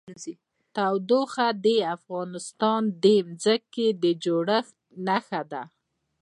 تودوخه د افغانستان د ځمکې د جوړښت نښه ده.